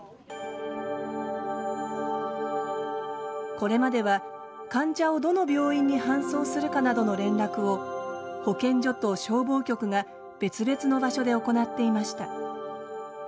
これまでは患者をどの病院に搬送するかなどの連絡を保健所と消防局が別々の場所で行っていました。